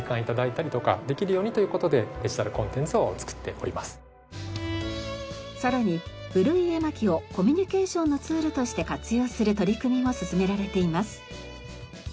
こういう実はさらに古い絵巻をコミュニケーションのツールとして活用する取り組みも進められています。